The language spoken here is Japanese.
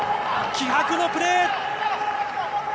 気迫のプレー！